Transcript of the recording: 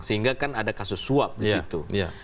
sehingga kan ada kasus suap di situ